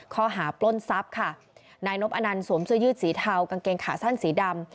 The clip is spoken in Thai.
ข้อหาปล้นทรัพย์ค่ะนายนบอนันต์สวมเสื้อยืดสีเทากางเกงขาสั้นสีดำ